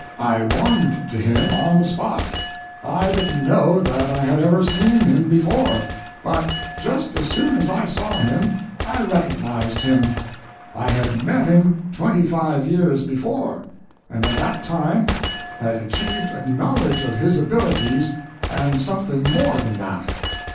I warmed to him on the spot. I didn't know that I had ever seen him before, but just as soon as I saw him I recognized him. I had met him twenty five years before, and at that time had achieved a knowledge of his abilities and something more than that.